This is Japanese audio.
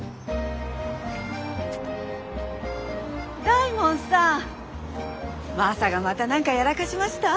大門さんマサがまた何かやらかしました？